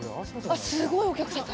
すごいお客さん。